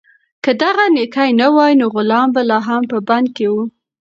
که دغه نېکي نه وای، نو غلام به لا هم په بند کې و.